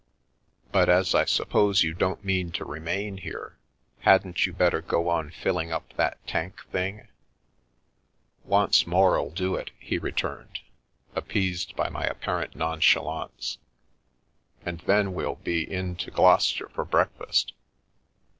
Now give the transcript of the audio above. But as I suppose you The Milky Way don't mean to remain here, hadn't you better go on filling up that tank thing ?"" Once more'll do it," he returned, appeased by my apparent nonchalance, "and then we'll be in to Glou cester for breakfast."